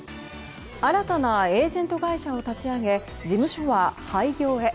新たなエージェント会社を立ち上げ、事務所は廃業へ。